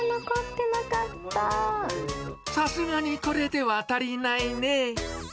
さすがにこれでは足りないね。